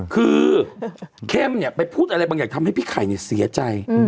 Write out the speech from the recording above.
ครีมไว้พูดอะไรบางอย่างทำให้พี่ไข่เสียใจ